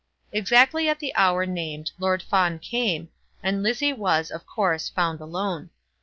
Exactly at the hour named Lord Fawn came, and Lizzie was, of course, found alone.